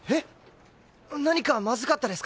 何かまずかったですか？